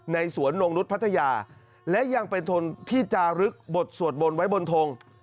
ในสวนองค์นุฏภัทยาและยังเป็นทนที่จารึกบทสวดบนไว้บนทง